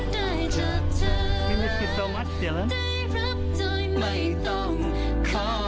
ที่ฉันได้จากเธอได้รับโดยไม่ต้องขอ